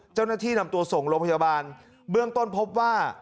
เจ้าหน้าที่นำตัวส่งโรงพยาบาลเบื้องต้นพบว่า